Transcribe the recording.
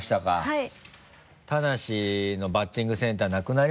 はい。